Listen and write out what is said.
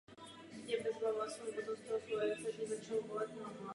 Pojem fluktuace pronikl do různých odvětví lidského zkoumání.